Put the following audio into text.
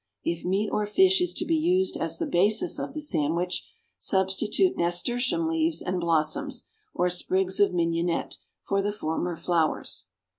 If meat or fish is to be used as the basis of the sandwich, substitute nasturtium leaves and blossoms, or sprigs of mignonette, for the former flowers.